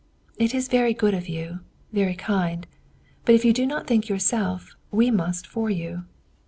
It is very good of you, very kind; but if you do not think yourself, we must for you."